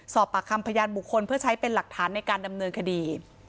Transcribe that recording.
สอบปากคำพยานบุคคลเพื่อใช้เป็นหลักฐานในการดำเนินคดี